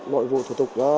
mọi vụ thủ tục